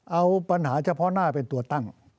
เอาปัญหาเฉพาะหน้าเป็นตัวตั้ง